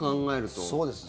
そうです。